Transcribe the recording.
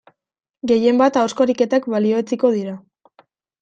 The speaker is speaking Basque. Gehien bat ahozko ariketak balioetsiko dira.